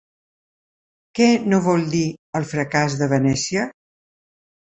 Què no vol dir el fracàs de Venècia?